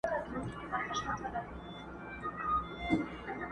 زلمو به زړونه ښکلیو نجونو ته وړیا ورکول!!